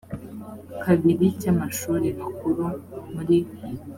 kabiri cy amashuri makuru muri